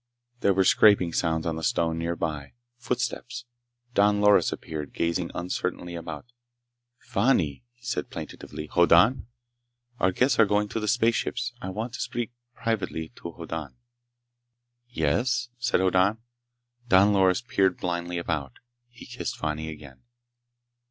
There were scraping sounds on the stone nearby. Footsteps. Don Loris appeared, gazing uncertainly about. "Fani!" he said plaintively. "Hoddan? Our guests are going to the spaceships. I want to speak privately to Hoddan." "Yes?" said Hoddan. Don Loris peered blindly about. He kissed Fani again.